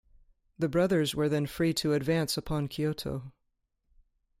The brothers were then free to advance upon Kyoto.